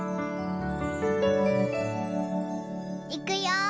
いくよ。